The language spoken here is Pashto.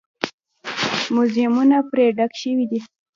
موزیمونه پرې ډک شوي دي.